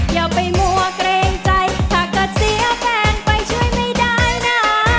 อย่าไปมัวเกรงใจถ้าเกิดเสียแฟนไปช่วยไม่ได้นะ